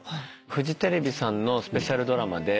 フジテレビのスペシャルドラマ？